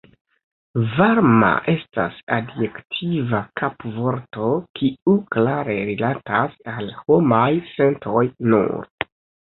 Varma estas adjektiva kapvorto kiu klare rilatas al homaj sentoj nur.